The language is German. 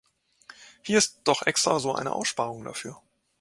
Hier ist doch extra so eine Aussparung dafür.